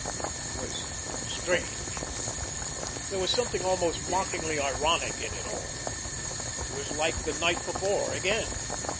It was strange! There was something almost mockingly ironic in it all! It was like the night before again.